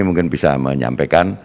mungkin bisa menyampaikan